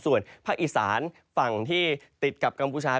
ส่วนภาคอีสานฝั่งที่ติดกับกัมพูชา